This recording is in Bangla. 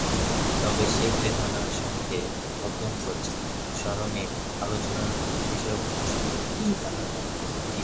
তবে শেখ রেহানার সঙ্গে পঙ্কজ শরণে আলোচনার বিষয়বস্তু সম্পর্কে কিছু জানা যায়নি।